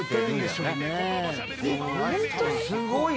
すごい。